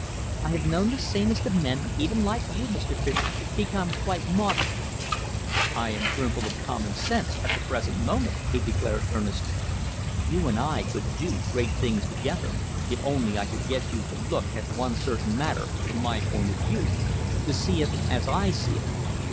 I have known the sanest of men, even like you, Mr. Fischer, become quite maudlin." "I am brimful of common sense at the present moment," he declared earnestly. "You and I could do great things together, if only I could get you to look at one certain matter from my point of view; to see it as I see it."